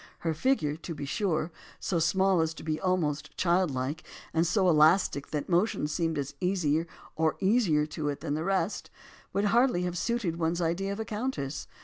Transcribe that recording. Her figure, to be sure — so small as to be almost childlike and so elastic that motion seemed as easy or easier to it than rest — would hardly have suited one's idea of a countess.